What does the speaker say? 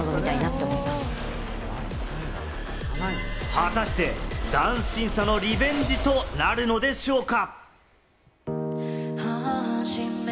果たしてダンス審査のリベンジとなるのでしょうか？